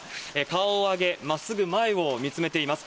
顔を上げ、まっすぐ前を見つめています。